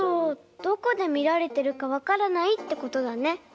どこでみられてるかわからないってことだね。